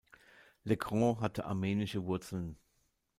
Legrand hatte armenische Wurzeln.